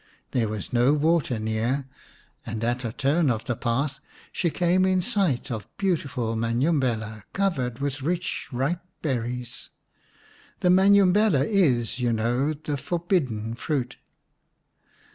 There was no water near, and at a turn of the path she came in sight of beautiful manumbela covered with rich ripe berries. The manumbela is, you know, the Forbidden Fruit.